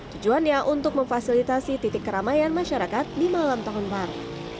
tujuannya untuk memfasilitasi titik keramaian masyarakat di malam tahun baru